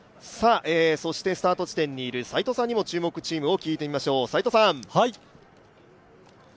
スタート地点にいる斎藤さんにも注目チームを聞いてみましょう。